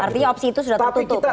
artinya opsi itu sudah tertutup